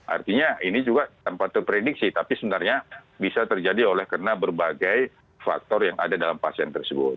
artinya ini juga tanpa terprediksi tapi sebenarnya bisa terjadi oleh karena berbagai faktor yang ada dalam pasien tersebut